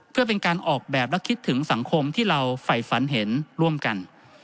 เพื่อเป็นการออกแบบและคิดถึงสังคมที่เราไฝฝันเห็นร่วมกัน